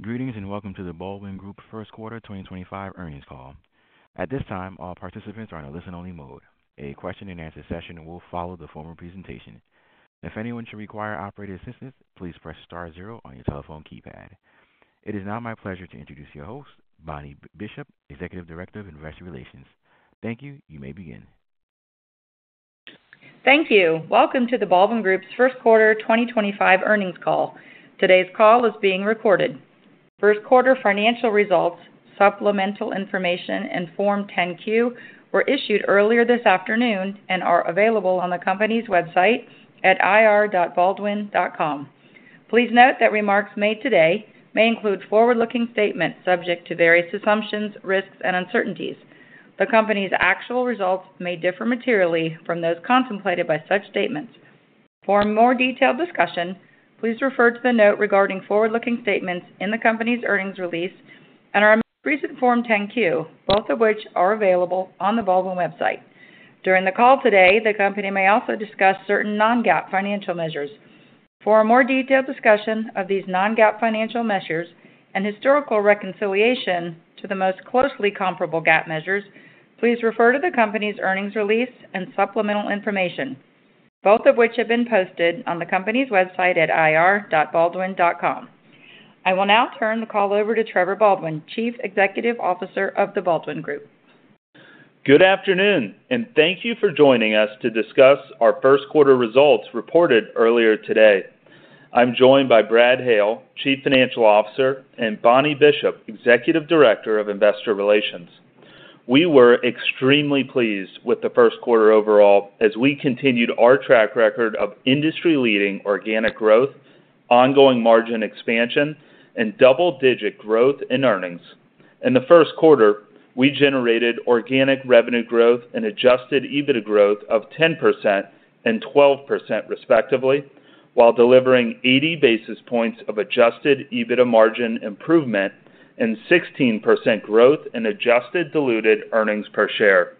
Greetings and welcome to the Baldwin Group First Quarter 2025 Earnings Call. At this time, all participants are in a listen-only mode. A question-and-answer session will follow the formal presentation. If anyone should require operator assistance, please press star zero on your telephone keypad. It is now my pleasure to introduce your host, Bonnie Bishop, Executive Director of Investor Relations. Thank you. You may begin. Thank you. Welcome to the Baldwin Group's First Quarter 2025 earnings call. Today's call is being recorded. First quarter financial results, supplemental information, and Form 10Q were issued earlier this afternoon and are available on the company's website at irbaldwin.com. Please note that remarks made today may include forward-looking statements subject to various assumptions, risks, and uncertainties. The company's actual results may differ materially from those contemplated by such statements. For more detailed discussion, please refer to the note regarding forward-looking statements in the company's earnings release and our most recent Form 10Q, both of which are available on the Baldwin website. During the call today, the company may also discuss certain non-GAAP financial measures. For a more detailed discussion of these non-GAAP financial measures and historical reconciliation to the most closely comparable GAAP measures, please refer to the company's earnings release and supplemental information, both of which have been posted on the company's website at irbaldwin.com. I will now turn the call over to Trevor Baldwin, Chief Executive Officer of the Baldwin Group. Good afternoon, and thank you for joining us to discuss our first quarter results reported earlier today. I'm joined by Brad Hale, Chief Financial Officer, and Bonnie Bishop, Executive Director of Investor Relations. We were extremely pleased with the first quarter overall as we continued our track record of industry-leading organic growth, ongoing margin expansion, and double-digit growth in earnings. In the first quarter, we generated organic revenue growth and adjusted EBITDA growth of 10% and 12%, respectively, while delivering 80 basis points of adjusted EBITDA margin improvement and 16% growth in adjusted diluted earnings per share.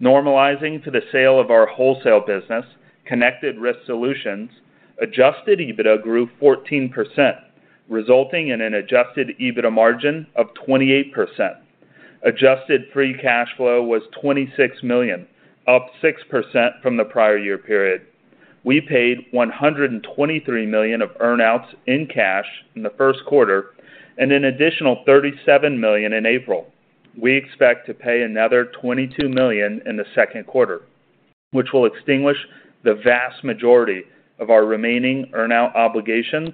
Normalizing to the sale of our wholesale business, Connected Risk Solutions, adjusted EBITDA grew 14%, resulting in an adjusted EBITDA margin of 28%. Adjusted free cash flow was $26 million, up 6% from the prior year period. We paid $123 million of earnouts in cash in the first quarter and an additional $37 million in April. We expect to pay another $22 million in the second quarter, which will extinguish the vast majority of our remaining earnout obligations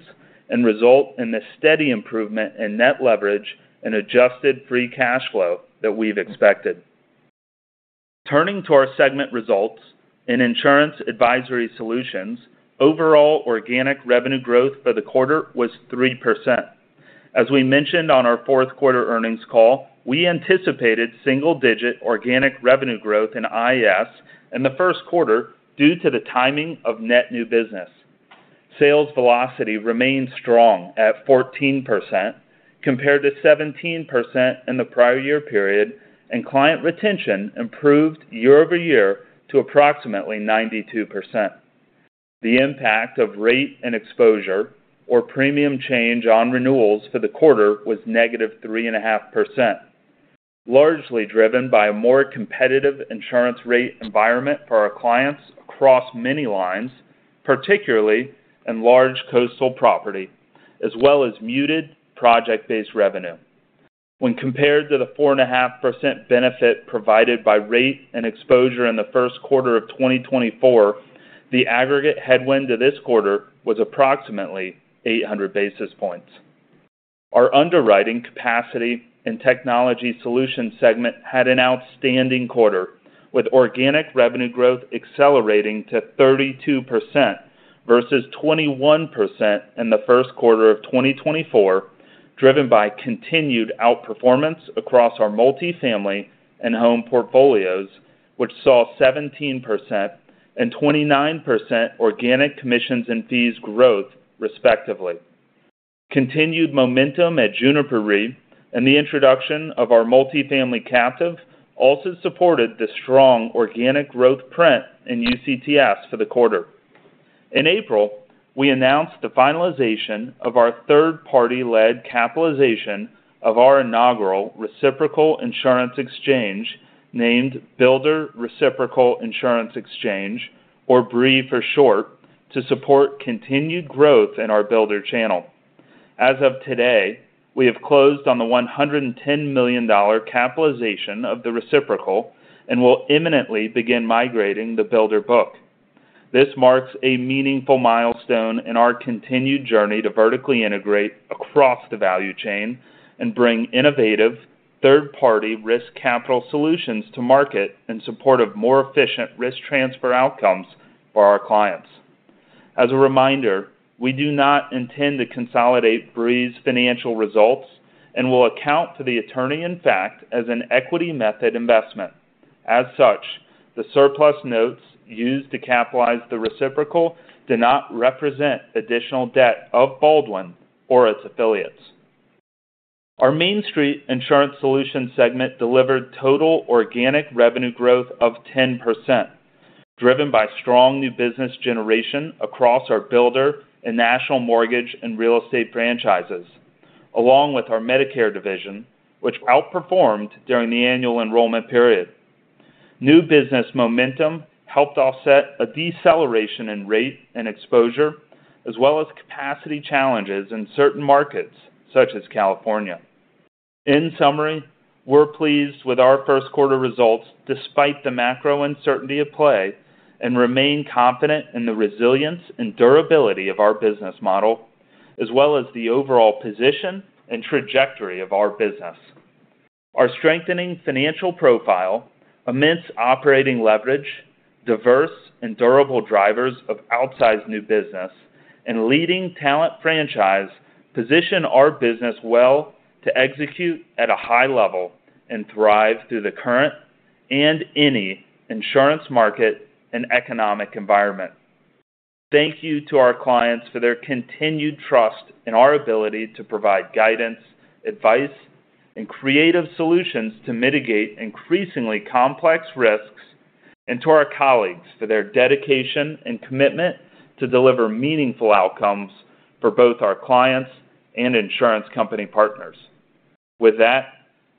and result in the steady improvement in net leverage and adjusted free cash flow that we've expected. Turning to our segment results, in Insurance Advisory Solutions, overall organic revenue growth for the quarter was 3%. As we mentioned on our fourth quarter earnings call, we anticipated single-digit organic revenue growth in IS in the first quarter due to the timing of net new business. Sales velocity remained strong at 14% compared to 17% in the prior year period, and client retention improved year-over-year to approximately 92%. The impact of rate and exposure, or premium change on renewals for the quarter, was negative 3.5%, largely driven by a more competitive insurance rate environment for our clients across many lines, particularly in large coastal property, as well as muted project-based revenue. When compared to the 4.5% benefit provided by rate and exposure in the first quarter of 2024, the aggregate headwind to this quarter was approximately 800 basis points. Our Underwriting Capacity & Technology Solutions segment had an outstanding quarter, with organic revenue growth accelerating to 32% versus 21% in the first quarter of 2024, driven by continued outperformance across our multi-family and home portfolios, which saw 17% and 29% organic commissions and fees growth, respectively. Continued momentum at Juniper Re and the introduction of our multi-family captive also supported the strong organic growth print in UCTS for the quarter. In April, we announced the finalization of our third-party-led capitalization of our inaugural reciprocal insurance exchange named Builder Reciprocal Insurance Exchange, or BRE for short, to support continued growth in our Builder channel. As of today, we have closed on the $110 million capitalization of the reciprocal and will imminently begin migrating the Builder Book. This marks a meaningful milestone in our continued journey to vertically integrate across the value chain and bring innovative third-party risk capital solutions to market in support of more efficient risk transfer outcomes for our clients. As a reminder, we do not intend to consolidate BRE's financial results and will account for the attorney-in-fact as an equity method investment. As such, the surplus notes used to capitalize the reciprocal do not represent additional debt of Baldwin or its affiliates. Our Mainstreet Insurance Solutions segment delivered total organic revenue growth of 10%, driven by strong new business generation across our Builder and National Mortgage and Real Estate franchises, along with our Medicare division, which outperformed during the annual enrollment period. New business momentum helped offset a deceleration in rate and exposure, as well as capacity challenges in certain markets such as California. In summary, we're pleased with our first quarter results despite the macro uncertainty at play and remain confident in the resilience and durability of our business model, as well as the overall position and trajectory of our business. Our strengthening financial profile amidst operating leverage, diverse and durable drivers of outsized new business, and leading talent franchise position our business well to execute at a high level and thrive through the current and any insurance market and economic environment. Thank you to our clients for their continued trust in our ability to provide guidance, advice, and creative solutions to mitigate increasingly complex risks, and to our colleagues for their dedication and commitment to deliver meaningful outcomes for both our clients and insurance company partners. With that,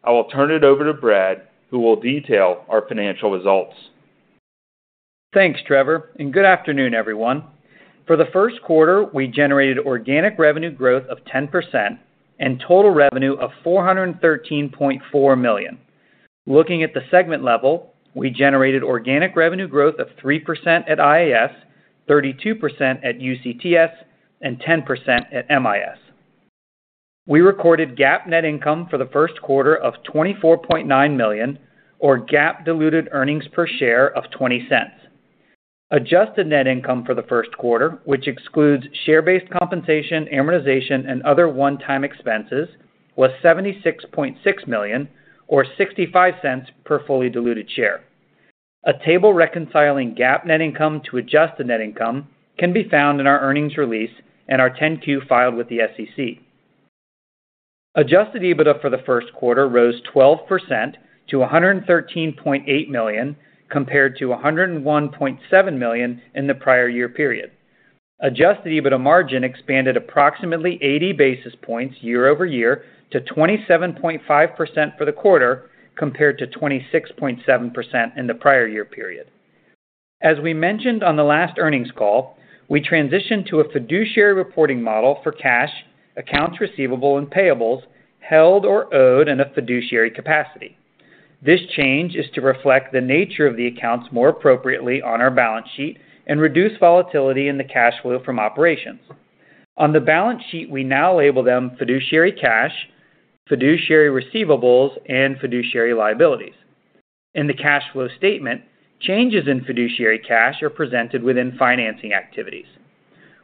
I will turn it over to Brad, who will detail our financial results. Thanks, Trevor, and good afternoon, everyone. For the first quarter, we generated organic revenue growth of 10% and total revenue of $413.4 million. Looking at the segment level, we generated organic revenue growth of 3% at IS, 32% at UCTS, and 10% at MIS. We recorded GAAP net income for the first quarter of $24.9 million, or GAAP diluted earnings per share of $0.20. Adjusted net income for the first quarter, which excludes share-based compensation, amortization, and other one-time expenses, was $76.6 million, or $0.65 per fully diluted share. A table reconciling GAAP net income to adjusted net income can be found in our earnings release and our 10Q filed with the SEC. Adjusted EBITDA for the first quarter rose 12% to $113.8 million compared to $101.7 million in the prior year period. Adjusted EBITDA margin expanded approximately 80 basis points year-over-year to 27.5% for the quarter compared to 26.7% in the prior year period. As we mentioned on the last earnings call, we transitioned to a fiduciary reporting model for cash, accounts receivable, and payables held or owed in a fiduciary capacity. This change is to reflect the nature of the accounts more appropriately on our balance sheet and reduce volatility in the cash flow from operations. On the balance sheet, we now label them fiduciary cash, fiduciary receivables, and fiduciary liabilities. In the cash flow statement, changes in fiduciary cash are presented within financing activities.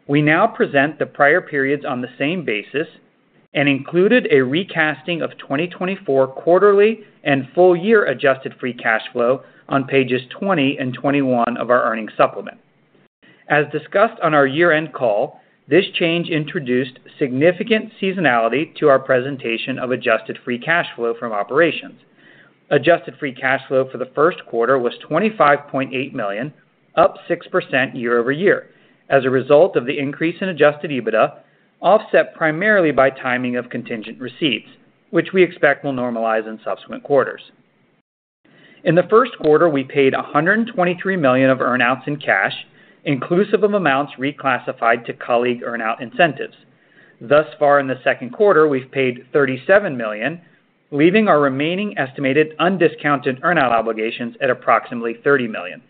We now present the prior periods on the same basis and included a recasting of 2024 quarterly and full-year adjusted free cash flow on pages 20 and 21 of our earnings supplement. As discussed on our year-end call, this change introduced significant seasonality to our presentation of adjusted free cash flow from operations. Adjusted free cash flow for the first quarter was $25.8 million, up 6% year-over-year, as a result of the increase in adjusted EBITDA, offset primarily by timing of contingent receipts, which we expect will normalize in subsequent quarters. In the first quarter, we paid $123 million of earnouts in cash, inclusive of amounts reclassified to colleague earnout incentives. Thus far, in the second quarter, we've paid $37 million, leaving our remaining estimated undiscounted earnout obligations at approximately $30 million,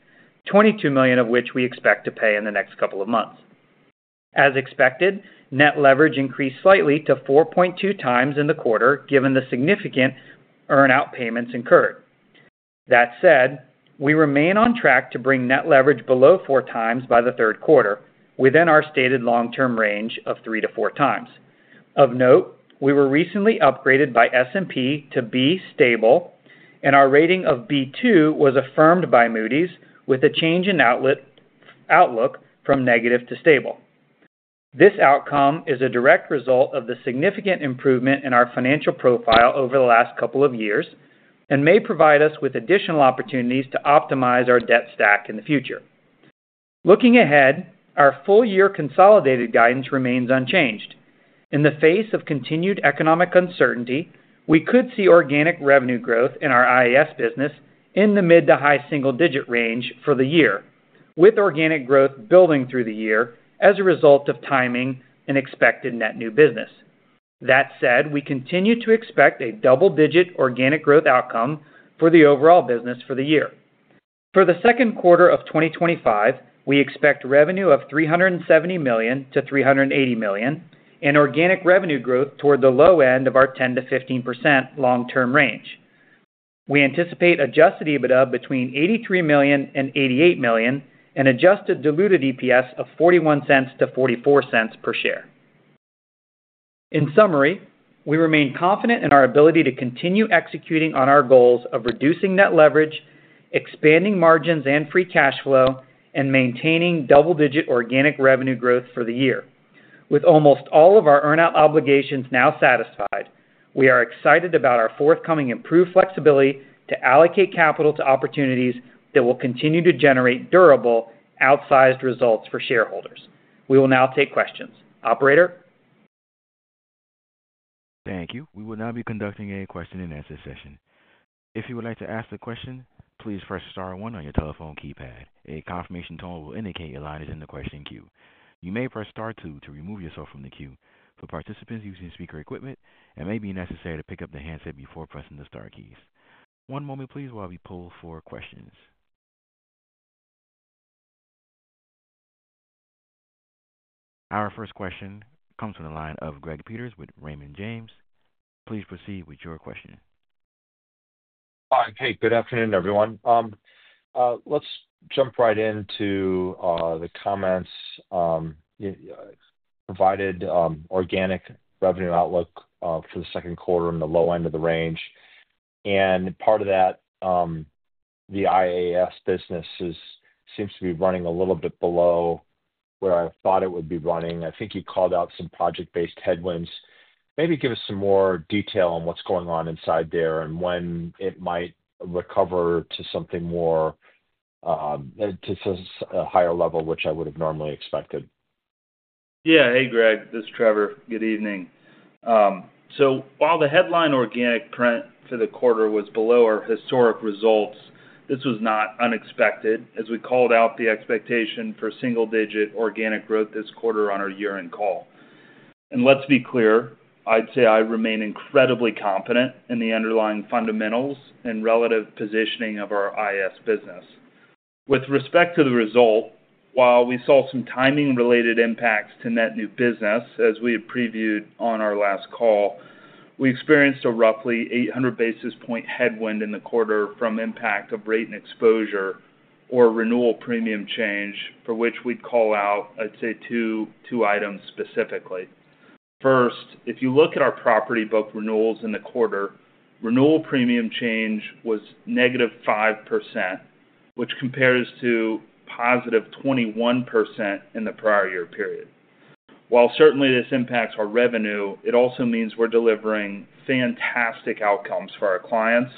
$22 million of which we expect to pay in the next couple of months. As expected, net leverage increased slightly to 4.2 times in the quarter given the significant earnout payments incurred. That said, we remain on track to bring net leverage below four times by the third quarter within our stated long-term range of three to four times. Of note, we were recently upgraded by S&P to B stable, and our rating of B2 was affirmed by Moody's with a change in outlook from negative to stable. This outcome is a direct result of the significant improvement in our financial profile over the last couple of years and may provide us with additional opportunities to optimize our debt stack in the future. Looking ahead, our full-year consolidated guidance remains unchanged. In the face of continued economic uncertainty, we could see organic revenue growth in our IS business in the mid to high single-digit range for the year, with organic growth building through the year as a result of timing and expected net new business. That said, we continue to expect a double-digit organic growth outcome for the overall business for the year. For the second quarter of 2025, we expect revenue of $370 million-$380 million and organic revenue growth toward the low end of our 10%-15% long-term range. We anticipate adjusted EBITDA between $83 million-$88 million and adjusted diluted EPS of $0.41-$0.44 per share. In summary, we remain confident in our ability to continue executing on our goals of reducing net leverage, expanding margins and free cash flow, and maintaining double-digit organic revenue growth for the year. With almost all of our earnout obligations now satisfied, we are excited about our forthcoming improved flexibility to allocate capital to opportunities that will continue to generate durable outsized results for shareholders. We will now take questions. Operator. Thank you. We will now be conducting a question-and-answer session. If you would like to ask a question, please press star one on your telephone keypad. A confirmation tone will indicate your line is in the question queue. You may press star two to remove yourself from the queue. For participants using speaker equipment, it may be necessary to pick up the handset before pressing the star keys. One moment, please, while we pull for questions. Our first question comes from the line of Greg Peters with Raymond James. Please proceed with your question. Hi. Hey, good afternoon, everyone. Let's jump right into the comments. Provided organic revenue outlook for the second quarter in the low end of the range. Part of that, the IAS business seems to be running a little bit below where I thought it would be running. I think you called out some project-based headwinds. Maybe give us some more detail on what's going on inside there and when it might recover to something more to a higher level, which I would have normally expected. Yeah. Hey, Greg. This is Trevor. Good evening. While the headline organic print for the quarter was below our historic results, this was not unexpected as we called out the expectation for single-digit organic growth this quarter on our year-end call. Let's be clear, I'd say I remain incredibly confident in the underlying fundamentals and relative positioning of our IS business. With respect to the result, while we saw some timing-related impacts to net new business, as we had previewed on our last call, we experienced a roughly 800 basis point headwind in the quarter from impact of rate and exposure or renewal premium change, for which we'd call out, I'd say, two items specifically. First, if you look at our property book renewals in the quarter, renewal premium change was negative 5%, which compares to positive 21% in the prior year period. While certainly this impacts our revenue, it also means we're delivering fantastic outcomes for our clients,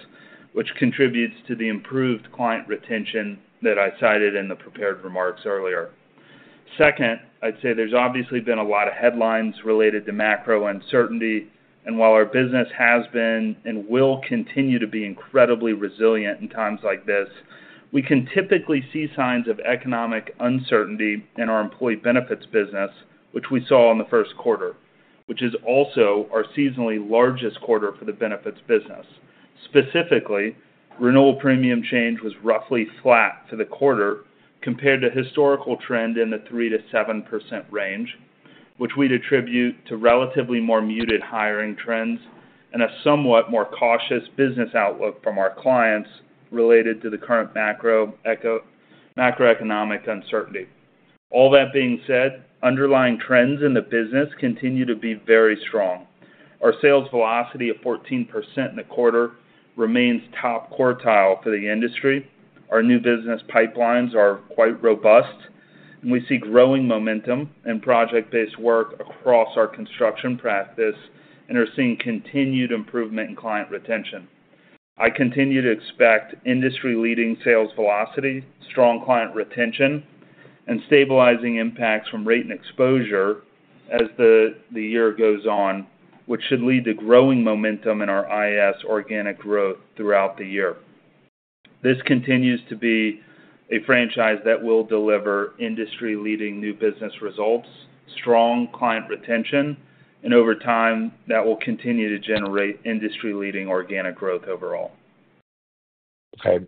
which contributes to the improved client retention that I cited in the prepared remarks earlier. Second, I'd say there's obviously been a lot of headlines related to macro uncertainty. While our business has been and will continue to be incredibly resilient in times like this, we can typically see signs of economic uncertainty in our employee benefits business, which we saw in the first quarter, which is also our seasonally largest quarter for the benefits business. Specifically, renewal premium change was roughly flat for the quarter compared to historical trend in the 3-7% range, which we'd attribute to relatively more muted hiring trends and a somewhat more cautious business outlook from our clients related to the current macroeconomic uncertainty. All that being said, underlying trends in the business continue to be very strong. Our sales velocity of 14% in the quarter remains top quartile for the industry. Our new business pipelines are quite robust, and we see growing momentum and project-based work across our construction practice and are seeing continued improvement in client retention. I continue to expect industry-leading sales velocity, strong client retention, and stabilizing impacts from rate and exposure as the year goes on, which should lead to growing momentum in our IS organic growth throughout the year. This continues to be a franchise that will deliver industry-leading new business results, strong client retention, and over time, that will continue to generate industry-leading organic growth overall. Okay.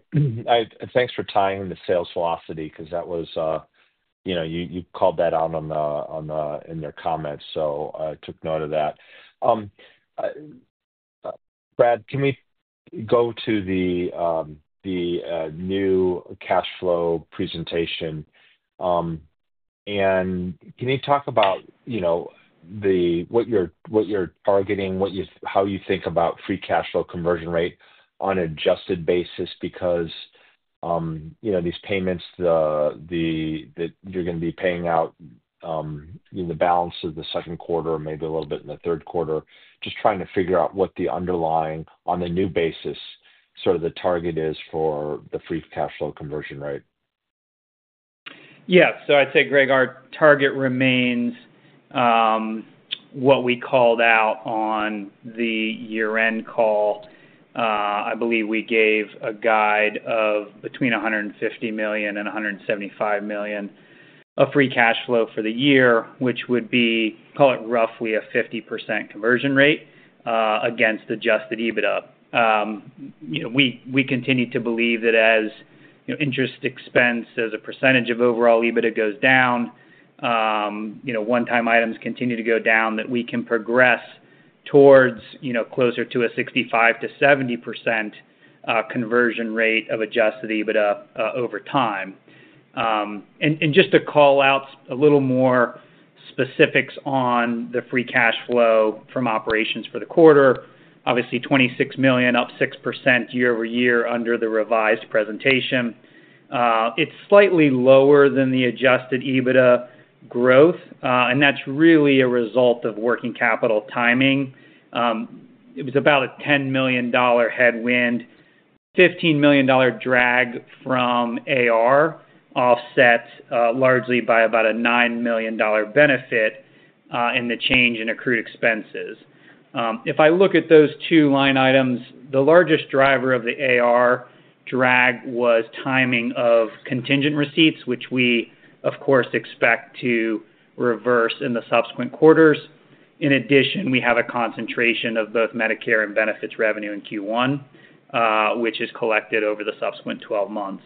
Thanks for tying the sales velocity because that was, you called that out in their comments, so I took note of that. Brad, can we go to the new cash flow presentation? And can you talk about what you're targeting, how you think about free cash flow conversion rate on an adjusted basis because these payments that you're going to be paying out in the balance of the second quarter, maybe a little bit in the third quarter, just trying to figure out what the underlying on the new basis sort of the target is for the free cash flow conversion rate. Yeah. I'd say, Greg, our target remains what we called out on the year-end call. I believe we gave a guide of between $150 million and $175 million of free cash flow for the year, which would be, call it, roughly a 50% conversion rate against adjusted EBITDA. We continue to believe that as interest expense as a percentage of overall EBITDA goes down, one-time items continue to go down, we can progress towards closer to a 65%-70% conversion rate of adjusted EBITDA over time. Just to call out a little more specifics on the free cash flow from operations for the quarter, obviously $26 million, up 6% year-over-year under the revised presentation. It's slightly lower than the adjusted EBITDA growth, and that's really a result of working capital timing. It was about a $10 million headwind, $15 million drag from AR offset largely by about a $9 million benefit in the change in accrued expenses. If I look at those two line items, the largest driver of the AR drag was timing of contingent receipts, which we, of course, expect to reverse in the subsequent quarters. In addition, we have a concentration of both Medicare and benefits revenue in Q1, which is collected over the subsequent 12 months.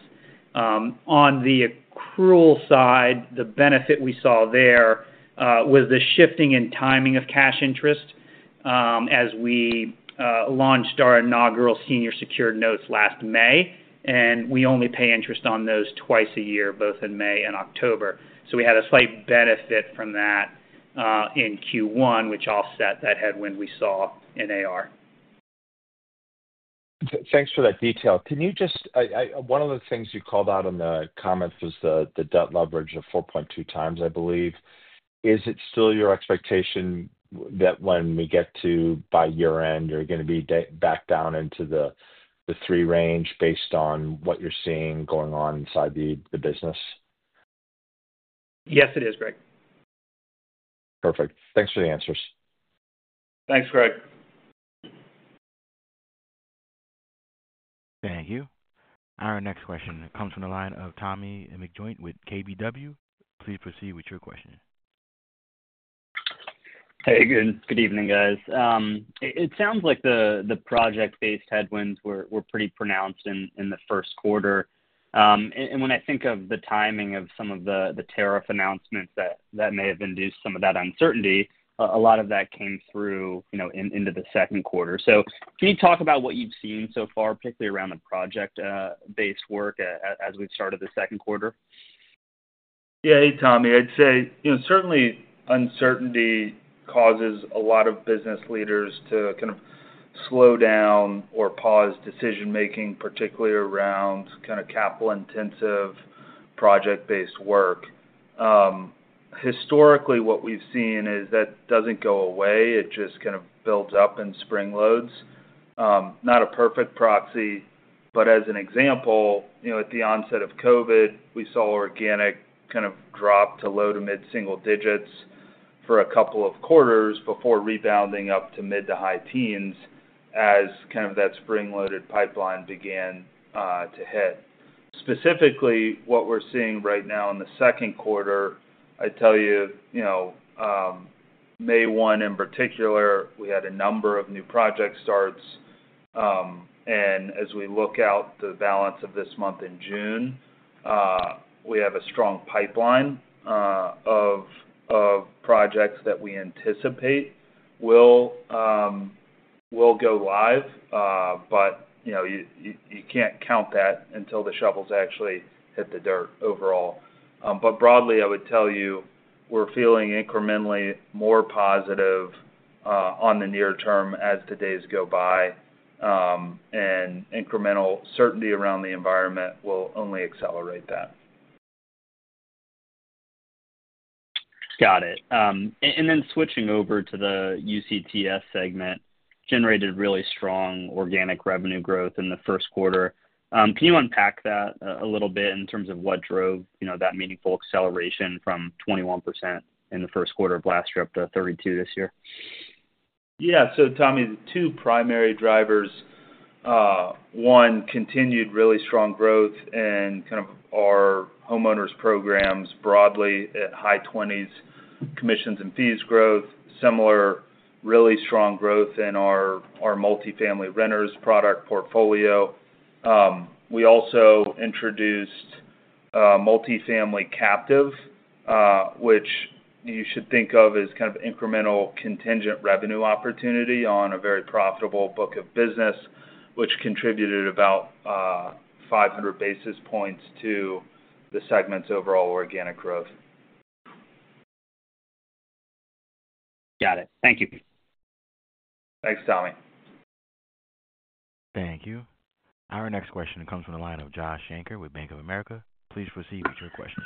On the accrual side, the benefit we saw there was the shifting in timing of cash interest as we launched our inaugural senior secured notes last May, and we only pay interest on those twice a year, both in May and October. We had a slight benefit from that in Q1, which offset that headwind we saw in AR. Thanks for that detail. Can you just, one of the things you called out in the comments was the debt leverage of 4.2 times, I believe. Is it still your expectation that when we get to by year-end, you're going to be back down into the three range based on what you're seeing going on inside the business? Yes, it is, Greg. Perfect. Thanks for the answers. Thanks, Greg. Thank you. Our next question comes from the line of Tommy McJoynt with KBW. Please proceed with your question. Hey, good evening, guys. It sounds like the project-based headwinds were pretty pronounced in the first quarter. When I think of the timing of some of the tariff announcements that may have induced some of that uncertainty, a lot of that came through into the second quarter. Can you talk about what you've seen so far, particularly around the project-based work as we've started the second quarter? Yeah. Hey, Tommy. I'd say certainly uncertainty causes a lot of business leaders to kind of slow down or pause decision-making, particularly around kind of capital-intensive project-based work. Historically, what we've seen is that does not go away. It just kind of builds up and springloads. Not a perfect proxy, but as an example, at the onset of COVID, we saw organic kind of drop to low to mid-single digits for a couple of quarters before rebounding up to mid to high teens as kind of that springloaded pipeline began to hit. Specifically, what we're seeing right now in the second quarter, I tell you, May 1 in particular, we had a number of new project starts. As we look out the balance of this month in June, we have a strong pipeline of projects that we anticipate will go live, but you can't count that until the shovels actually hit the dirt overall. Broadly, I would tell you we're feeling incrementally more positive on the near term as the days go by, and incremental certainty around the environment will only accelerate that. Got it. Switching over to the UCTS segment, generated really strong organic revenue growth in the first quarter. Can you unpack that a little bit in terms of what drove that meaningful acceleration from 21% in the first quarter of last year up to 32% this year? Yeah. Tommy, the two primary drivers, one, continued really strong growth in kind of our homeowners programs broadly at high 20s, commissions and fees growth, similar really strong growth in our multifamily renters product portfolio. We also introduced multifamily captive, which you should think of as kind of incremental contingent revenue opportunity on a very profitable book of business, which contributed about 500 basis points to the segment's overall organic growth. Got it. Thank you. Thanks, Tommy. Thank you. Our next question comes from the line of Josh Shanker with Bank of America. Please proceed with your question.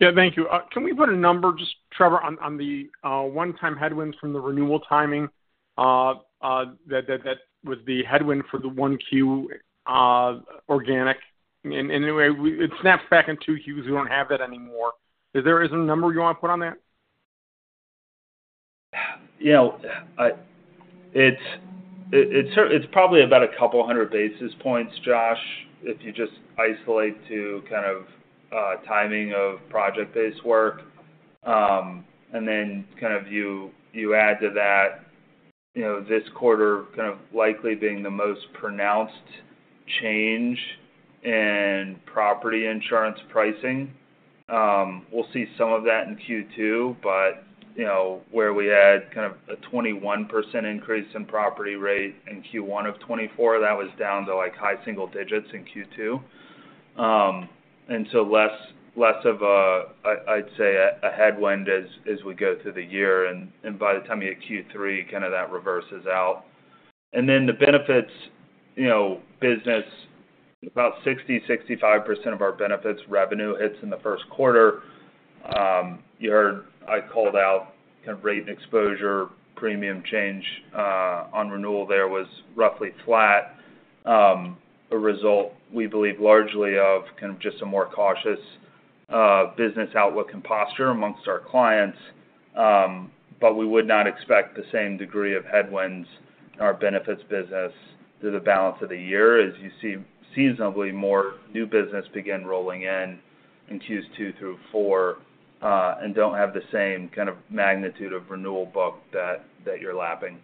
Yeah. Thank you. Can we put a number, just Trevor, on the one-time headwinds from the renewal timing that was the headwind for the one Q organic? And it snaps back in two Qs. We do not have that anymore. Is there a number you want to put on that? Yeah. It's probably about a couple hundred basis points, Josh, if you just isolate to kind of timing of project-based work. And then you add to that this quarter kind of likely being the most pronounced change in property insurance pricing. We'll see some of that in Q2, but where we had kind of a 21% increase in property rate in Q1 of 2024, that was down to high single digits in Q2. And so less of a, I'd say, a headwind as we go through the year. By the time you hit Q3, kind of that reverses out. The benefits business, about 60-65% of our benefits revenue hits in the first quarter. You heard I called out kind of rate and exposure premium change on renewal. There was roughly flat, a result, we believe, largely of kind of just a more cautious business outlook and posture amongst our clients. We would not expect the same degree of headwinds in our benefits business through the balance of the year as you see seasonably more new business begin rolling in in Q2 through Q4 and do not have the same kind of magnitude of renewal book that you are lapping.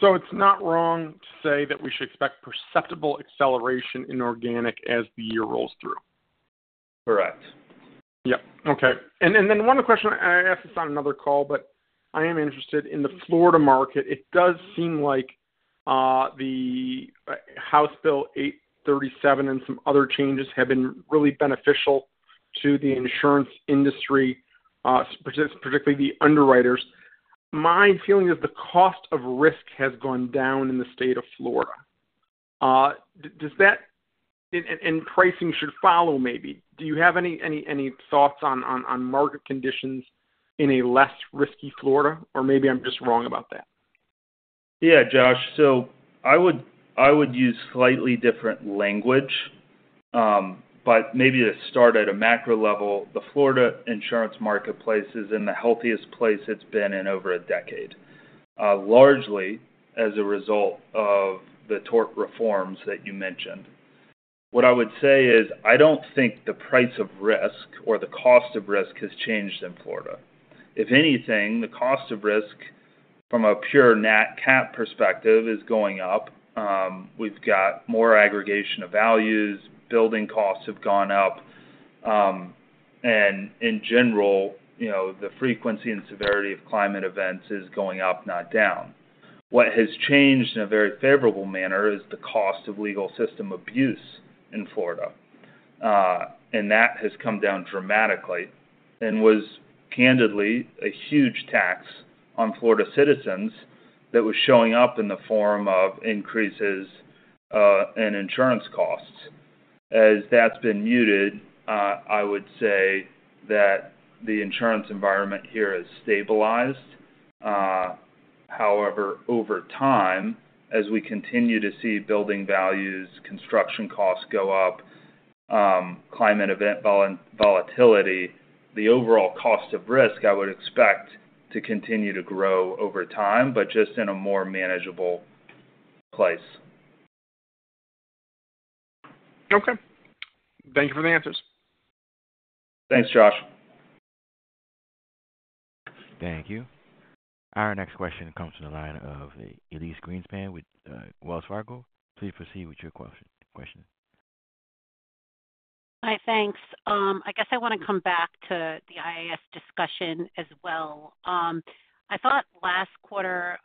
It's not wrong to say that we should expect perceptible acceleration in organic as the year rolls through? Correct. Yep. Okay. One other question. I asked this on another call, but I am interested in the Florida market. It does seem like the House Bill 837 and some other changes have been really beneficial to the insurance industry, particularly the underwriters. My feeling is the cost of risk has gone down in the state of Florida. Pricing should follow, maybe. Do you have any thoughts on market conditions in a less risky Florida? Or maybe I'm just wrong about that. Yeah, Josh. I would use slightly different language, but maybe to start at a macro level, the Florida insurance marketplace is in the healthiest place it has been in over a decade, largely as a result of the tort reforms that you mentioned. What I would say is I do not think the price of risk or the cost of risk has changed in Florida. If anything, the cost of risk from a pure nat cat perspective is going up. We have got more aggregation of values. Building costs have gone up. In general, the frequency and severity of climate events is going up, not down. What has changed in a very favorable manner is the cost of legal system abuse in Florida. That has come down dramatically and was, candidly, a huge tax on Florida citizens that was showing up in the form of increases in insurance costs. As that's been muted, I would say that the insurance environment here has stabilized. However, over time, as we continue to see building values, construction costs go up, climate event volatility, the overall cost of risk, I would expect to continue to grow over time, but just in a more manageable place. Okay. Thank you for the answers. Thanks, Josh. Thank you. Our next question comes from the line of Elyse Greenspan with Wells Fargo. Please proceed with your question. Hi, thanks. I guess I want to come back to the IIS discussion as well. I thought last quarter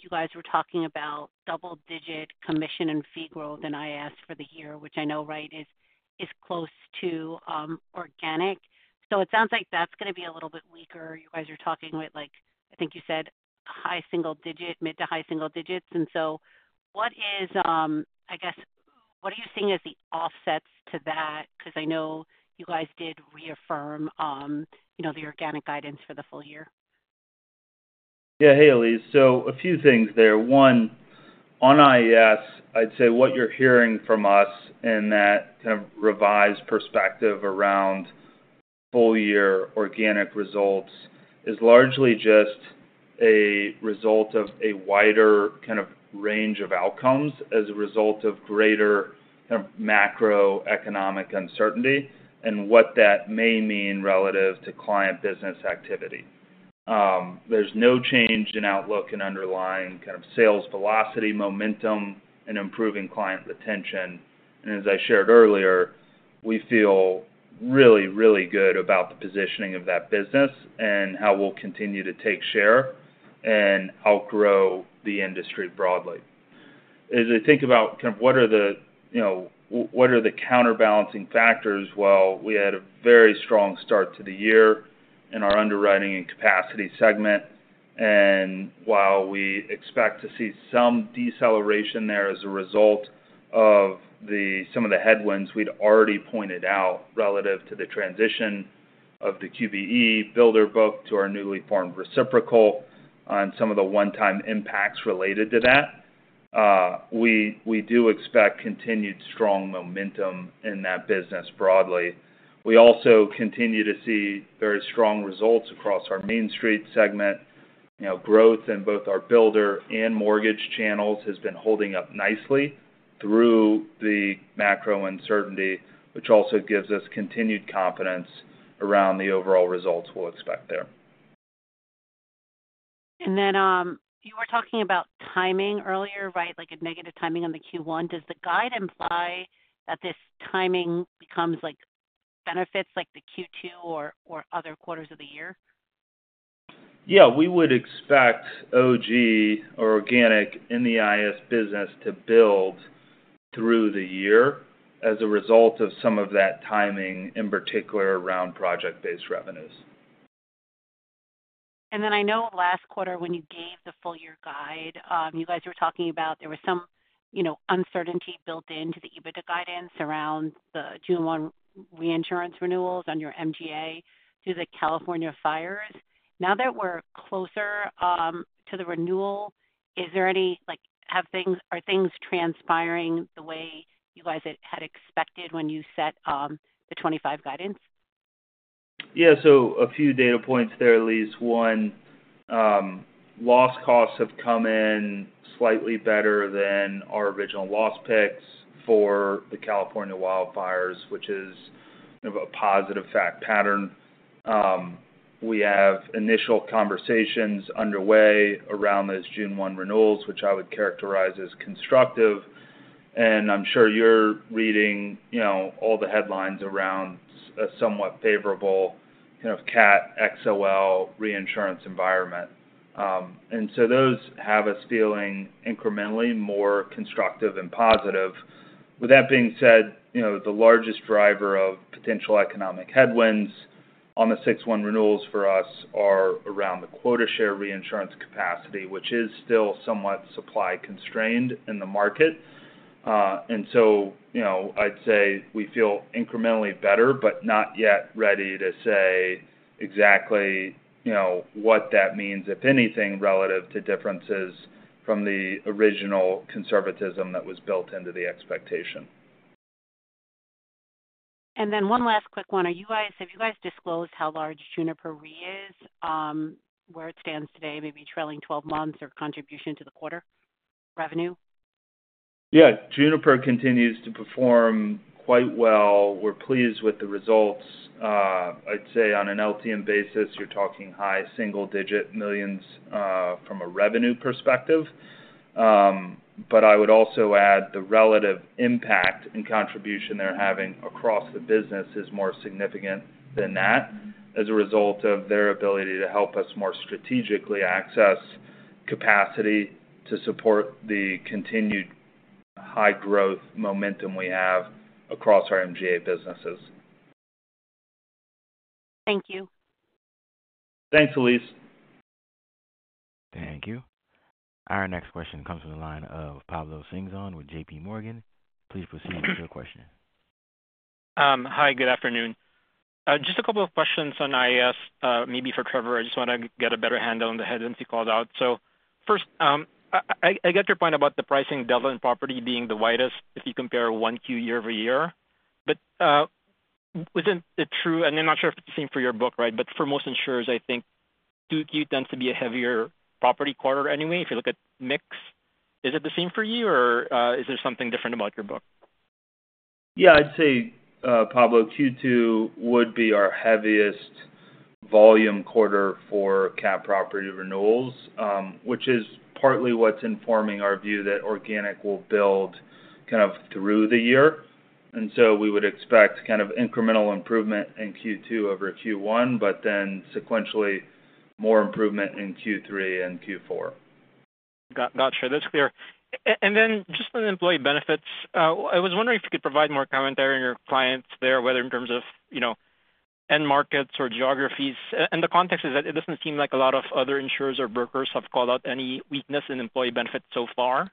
you guys were talking about double-digit commission and fee growth in IIS for the year, which I know, right, is close to organic. It sounds like that's going to be a little bit weaker. You guys are talking with, I think you said, high single digit, mid to high single digits. What is, I guess, what are you seeing as the offsets to that? Because I know you guys did reaffirm the organic guidance for the full year. Yeah. Hey, Elise. So a few things there. One, on IIS, I'd say what you're hearing from us in that kind of revised perspective around full-year organic results is largely just a result of a wider kind of range of outcomes as a result of greater kind of macroeconomic uncertainty and what that may mean relative to client business activity. There's no change in outlook and underlying kind of sales velocity, momentum, and improving client retention. As I shared earlier, we feel really, really good about the positioning of that business and how we'll continue to take share and outgrow the industry broadly. As I think about kind of what are the counterbalancing factors, we had a very strong start to the year in our underwriting and capacity segment. While we expect to see some deceleration there as a result of some of the headwinds we had already pointed out relative to the transition of the QBE builder book to our newly formed reciprocal and some of the one-time impacts related to that, we do expect continued strong momentum in that business broadly. We also continue to see very strong results across our Mainstreet segment. Growth in both our builder and mortgage channels has been holding up nicely through the macro uncertainty, which also gives us continued confidence around the overall results we will expect there. You were talking about timing earlier, right, like a negative timing on the Q1. Does the guide imply that this timing becomes benefits like the Q2 or other quarters of the year? Yeah. We would expect OG or organic in the IIS business to build through the year as a result of some of that timing, in particular around project-based revenues. I know last quarter when you gave the full-year guide, you guys were talking about there was some uncertainty built into the EBITDA guidance around the June 1 reinsurance renewals on your MGA through the California fires. Now that we're closer to the renewal, are things transpiring the way you guys had expected when you set the 2025 guidance? Yeah. So a few data points there, Elise. One, loss costs have come in slightly better than our original loss picks for the California wildfires, which is kind of a positive fact pattern. We have initial conversations underway around those June 1 renewals, which I would characterize as constructive. I'm sure you're reading all the headlines around a somewhat favorable kind of CAT XOL reinsurance environment. Those have us feeling incrementally more constructive and positive. With that being said, the largest driver of potential economic headwinds on the 6-1 renewals for us are around the quota share reinsurance capacity, which is still somewhat supply-constrained in the market. I'd say we feel incrementally better, but not yet ready to say exactly what that means, if anything, relative to differences from the original conservatism that was built into the expectation. One last quick one. Have you guys disclosed how large Juniper Re is, where it stands today, maybe trailing 12 months or contribution to the quarter revenue? Yeah. Juniper continues to perform quite well. We're pleased with the results. I'd say on an LTM basis, you're talking high single-digit millions from a revenue perspective. I would also add the relative impact and contribution they're having across the business is more significant than that as a result of their ability to help us more strategically access capacity to support the continued high growth momentum we have across our MGA businesses. Thank you. Thanks, Elise. Thank you. Our next question comes from the line of Pablo Singson with JPMorgan. Please proceed with your question. Hi. Good afternoon. Just a couple of questions on IIS, maybe for Trevor. I just want to get a better handle on the headwinds you called out. First, I get your point about the pricing doubling, property being the whitest if you compare one Q year-over-year. Isn't it true, and I'm not sure if it's the same for your book, right, but for most insurers, I think Q2 tends to be a heavier property quarter anyway? If you look at mix, is it the same for you, or is there something different about your book? Yeah. I'd say, Pablo, Q2 would be our heaviest volume quarter for CAT property renewals, which is partly what's informing our view that organic will build kind of through the year. We would expect kind of incremental improvement in Q2 over Q1, but then sequentially more improvement in Q3 and Q4. Gotcha. That's clear. Just on employee benefits, I was wondering if you could provide more commentary on your clients there, whether in terms of end markets or geographies. The context is that it doesn't seem like a lot of other insurers or brokers have called out any weakness in employee benefits so far.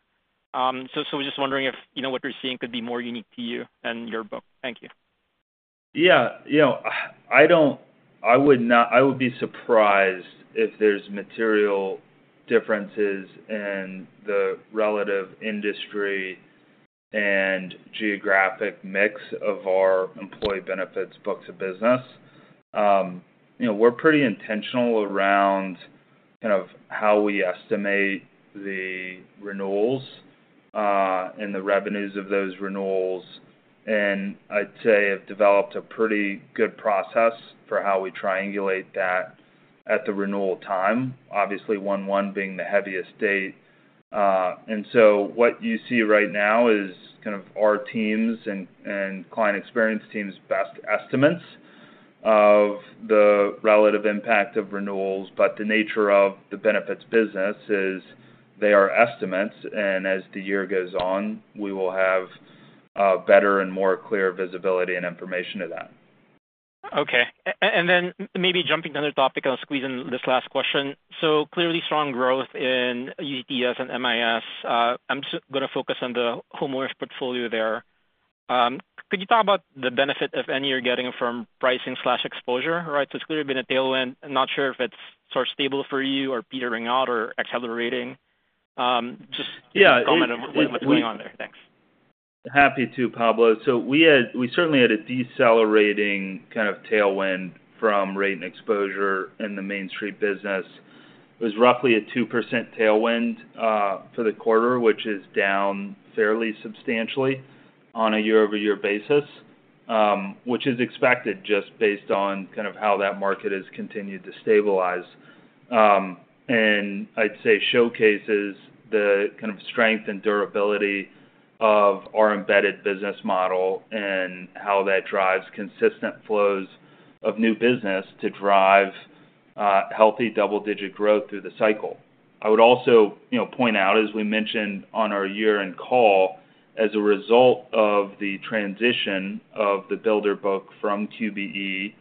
I was just wondering if what you're seeing could be more unique to you than your book. Thank you. Yeah. I would be surprised if there's material differences in the relative industry and geographic mix of our employee benefits books of business. We're pretty intentional around kind of how we estimate the renewals and the revenues of those renewals. I'd say I've developed a pretty good process for how we triangulate that at the renewal time, obviously 1-1 being the heaviest date. What you see right now is kind of our teams and client experience teams' best estimates of the relative impact of renewals. The nature of the benefits business is they are estimates. As the year goes on, we will have better and more clear visibility and information to that. Okay. Maybe jumping to another topic, I'll squeeze in this last question. Clearly strong growth in UCTS and MIS. I'm just going to focus on the home mortgage portfolio there. Could you talk about the benefit, if any, you're getting from pricing/exposure, right? It's clearly been a tailwind. Not sure if it's sort of stable for you or petering out or accelerating. Just comment on what's going on there. Thanks. Happy to, Pablo. We certainly had a decelerating kind of tailwind from rate and exposure in the Mainstreet business. It was roughly a 2% tailwind for the quarter, which is down fairly substantially on a year-over-year basis, which is expected just based on kind of how that market has continued to stabilize. I would say it showcases the kind of strength and durability of our embedded business model and how that drives consistent flows of new business to drive healthy double-digit growth through the cycle. I would also point out, as we mentioned on our year-end call, as a result of the transition of the builder book from QBE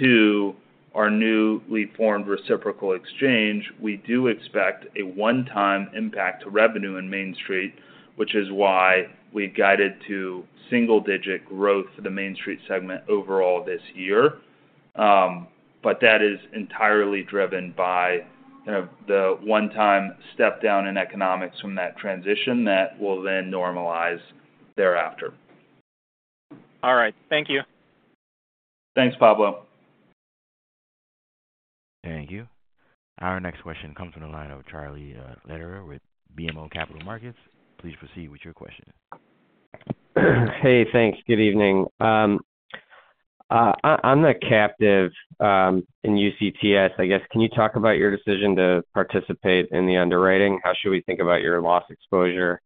to our newly formed reciprocal exchange, we do expect a one-time impact to revenue in Mainstreet, which is why we have guided to single-digit growth for the Mainstreet segment overall this year. That is entirely driven by kind of the one-time step down in economics from that transition that will then normalize thereafter. All right. Thank you. Thanks, Pablo. Thank you. Our next question comes from the line of Charlie Letter with BMO Capital Markets. Please proceed with your question. Hey, thanks. Good evening. I'm a captive in UCTS. I guess, can you talk about your decision to participate in the underwriting? How should we think about your loss exposure?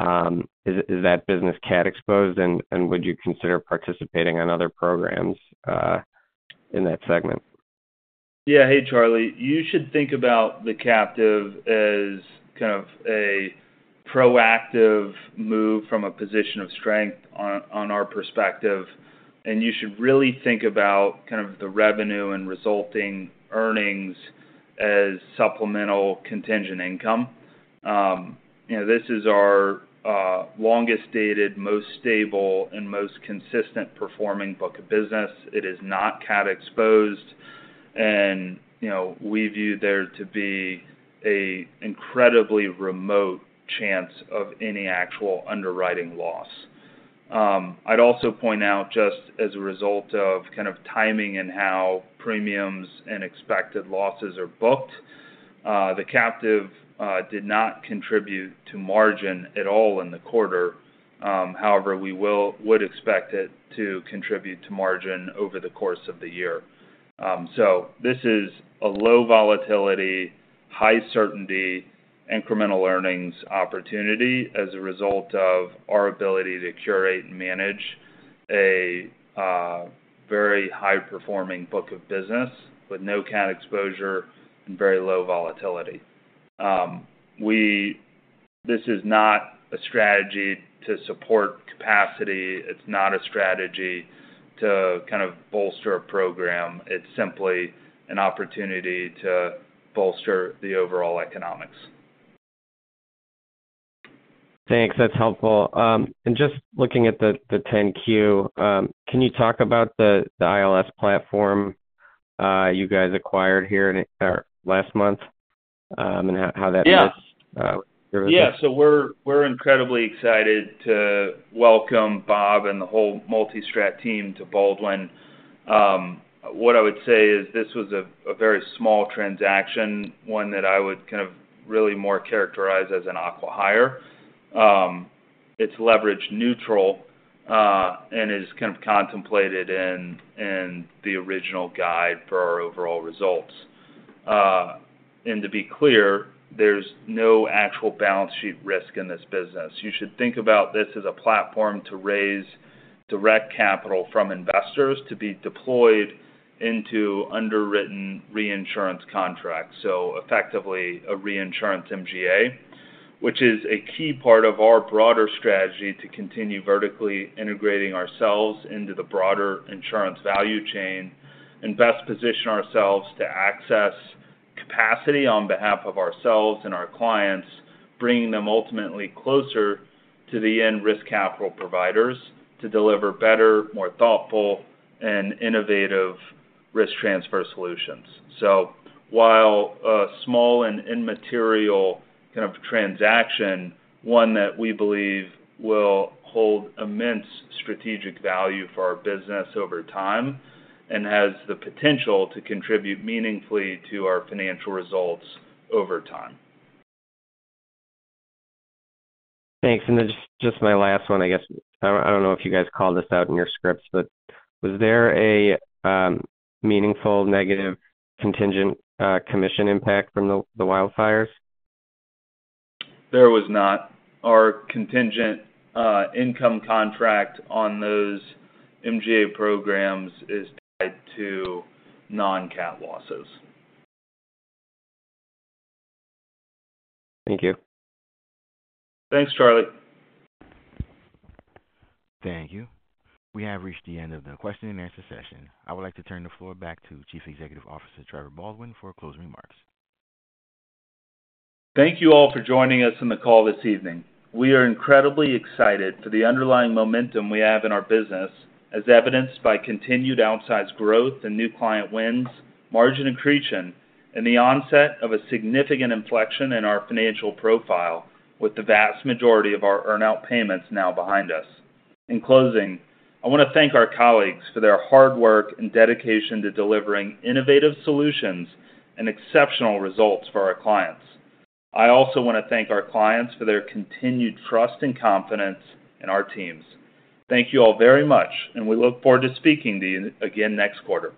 Is that business CAT exposed, and would you consider participating in other programs in that segment? Yeah. Hey, Charlie. You should think about the captive as kind of a proactive move from a position of strength on our perspective. You should really think about kind of the revenue and resulting earnings as supplemental contingent income. This is our longest-dated, most stable, and most consistent performing book of business. It is not CAT exposed, and we view there to be an incredibly remote chance of any actual underwriting loss. I'd also point out, just as a result of kind of timing and how premiums and expected losses are booked, the captive did not contribute to margin at all in the quarter. However, we would expect it to contribute to margin over the course of the year. This is a low volatility, high certainty, incremental earnings opportunity as a result of our ability to curate and manage a very high-performing book of business with no CAT exposure and very low volatility. This is not a strategy to support capacity. It's not a strategy to kind of bolster a program. It's simply an opportunity to bolster the overall economics. Thanks. That's helpful. Just looking at the 10Q, can you talk about the ILS platform you guys acquired here last month and how that was? Yeah. So we're incredibly excited to welcome Bob and the whole MultiStrat team to Baldwin. What I would say is this was a very small transaction, one that I would kind of really more characterize as an aqua hire. It's leverage neutral and is kind of contemplated in the original guide for our overall results. To be clear, there's no actual balance sheet risk in this business. You should think about this as a platform to raise direct capital from investors to be deployed into underwritten reinsurance contracts. Effectively a reinsurance MGA, which is a key part of our broader strategy to continue vertically integrating ourselves into the broader insurance value chain and best position ourselves to access capacity on behalf of ourselves and our clients, bringing them ultimately closer to the end risk capital providers to deliver better, more thoughtful, and innovative risk transfer solutions. While a small and immaterial kind of transaction, one that we believe will hold immense strategic value for our business over time and has the potential to contribute meaningfully to our financial results over time. Thanks. Just my last one, I guess. I do not know if you guys called this out in your scripts, but was there a meaningful negative contingent commission impact from the wildfires? There was not. Our contingent income contract on those MGA programs is tied to non-CAT losses. Thank you. Thanks, Charlie. Thank you. We have reached the end of the question and answer session. I would like to turn the floor back to Chief Executive Officer Trevor Baldwin for closing remarks. Thank you all for joining us in the call this evening. We are incredibly excited for the underlying momentum we have in our business, as evidenced by continued outsized growth and new client wins, margin accretion, and the onset of a significant inflection in our financial profile, with the vast majority of our earn-out payments now behind us. In closing, I want to thank our colleagues for their hard work and dedication to delivering innovative solutions and exceptional results for our clients. I also want to thank our clients for their continued trust and confidence in our teams. Thank you all very much, and we look forward to speaking to you again next quarter.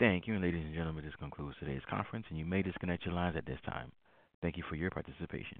Thank you. Ladies and gentlemen, this concludes today's conference, and you may disconnect your lines at this time. Thank you for your participation.